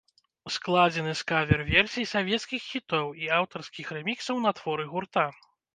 Складзены з кавер-версій савецкіх хітоў і аўтарскіх рэміксаў на творы гурта.